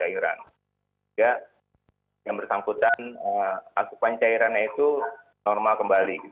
sehingga yang bersangkutan asupan cairannya itu normal kembali